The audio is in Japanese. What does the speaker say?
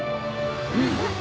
うん！